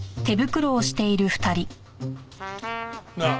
なあ。